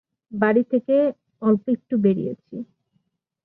বাড়ি থেকে অল্প একটু বেরিয়েছি।